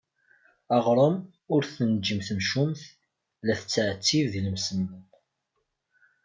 Aɣrum ur t-tenǧim temcumt, la tettɛettib deg lemsemmen.